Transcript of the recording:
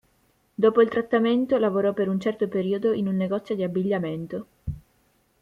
Dopo il trattamento lavorò per un certo periodo in un negozio di abbigliamento.